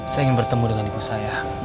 saya ingin bertemu dengan ibu saya